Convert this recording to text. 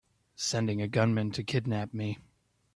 Sending a gunman to kidnap me!